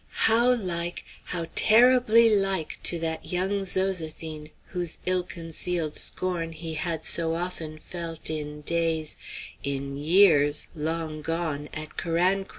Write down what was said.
How like how terribly like to that young Zoséphine whose ill concealed scorn he had so often felt in days in years long gone, at Carancro!